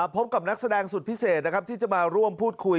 พบกับนักแสดงสุดพิเศษนะครับที่จะมาร่วมพูดคุย